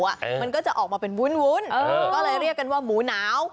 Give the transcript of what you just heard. มันก็จะออกมาเป็นวุ้นก็เลยเรียกกันว่าหมูหนาว